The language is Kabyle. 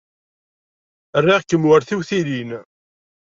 Riɣ-kem war tiwtilin.